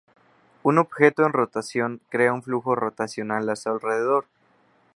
Un objeto en rotación crea un flujo rotacional a su alrededor.